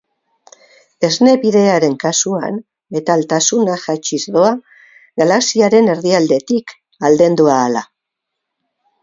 Esne Bidearen kasuan, metaltasuna jaitsiz doa galaxiaren erdialdetik aldendu ahala.